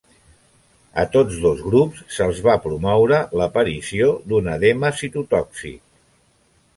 A tots dos grups se’ls va promoure l'aparició d'un edema citotòxic.